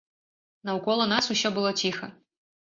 Наўкола нас усё было ціха.